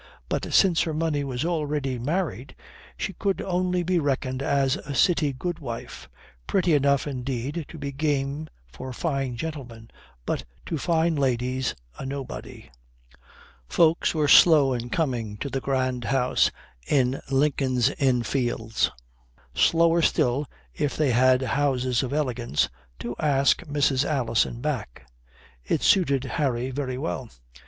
But since her money was already married she could only be reckoned as a city goodwife; pretty enough, indeed, to be game for fine gentlemen, but to fine ladies a nobody. Folks were slow in coming to the grand house in Lincoln's Inn Fields; slower still, if they had houses of elegance, to ask Mrs. Alison back. It suited Harry very well.